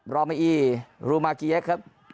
รอเมอีรูมาเกียสครับ